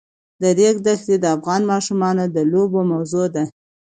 د ریګ دښتې د افغان ماشومانو د لوبو موضوع ده.